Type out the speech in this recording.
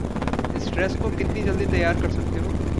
इस ड्रेस को कितनी जल्दी तैयार कर सकते हो?